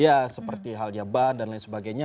ya seperti halnya ban dan lain sebagainya